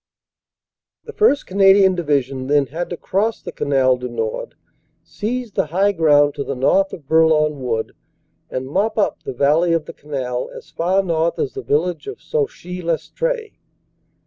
"The 1st. Canadian Division, then, had to cross the Canal du Nord, seize the high ground to the north of Bourlon Wood and "mop up" the valley of the canal as far north as the village of Sauchee Lestree.